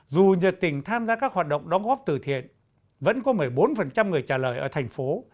dù nhiệt tình tham gia các hoạt động đóng góp từ thiện vẫn có một mươi bốn người trả lời ở thành phố